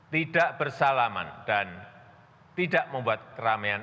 tidak bersalaman dan tidak membuat keramaian